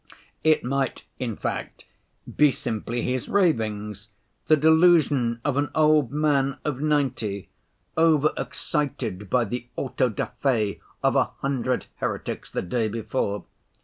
It might, in fact, be simply his ravings, the delusion of an old man of ninety, over‐excited by the auto da fé of a hundred heretics the day before.